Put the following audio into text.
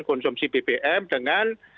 konsumsi bbm dengan